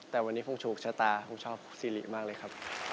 แต่วันนี้ผมถูกชะตาผมชอบซีริมากเลยครับ